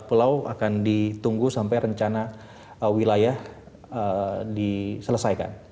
empat pulau akan ditunggu sampai rencana wilayah diselesaikan